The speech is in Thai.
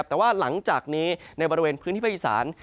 แต่ว่าหลังจากนี้ในบริเวณพื้นที่ภาคอีสาน